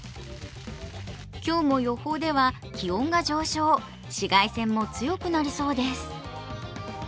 今日も予報では気温が上昇、紫外線も強くなりそうです。